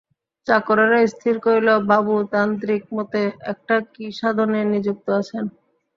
চাকরেরা স্থির করিল, বাবু তান্ত্রিকমতে একটা কী সাধনে নিযুক্ত আছেন।